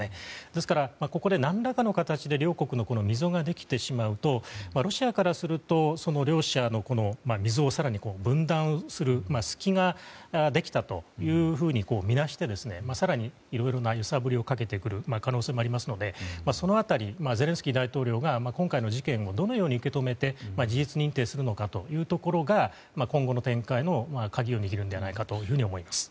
ですから、ここで何らかの形で両国に溝ができてしまうとロシアからすると両者のこの溝を更に分断する隙ができたとみなして更にいろいろな揺さぶりをかけてくる可能性もありますのでその辺り、ゼレンスキー大統領が今回の事件をどのように受け止めて事実認定するのかというところが今後の展開の鍵を握るのではないかと思います。